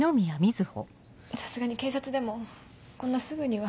さすがに警察でもこんなすぐには。